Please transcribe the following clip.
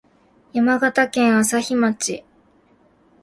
山形県朝日町